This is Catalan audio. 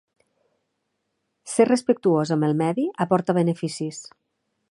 Ser respectuós amb el medi aporta beneficis.